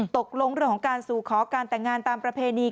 ตกลงเรื่องของการสู่ขอการแต่งงานตามประเพณี